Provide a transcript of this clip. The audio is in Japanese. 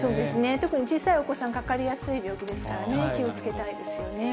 特に小さいお子さん、かかりやすい病気ですからね、気をつけたいですよね。